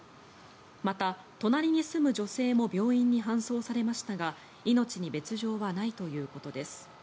また、隣に住む女性も病院に搬送されましたが命に別条はないということです。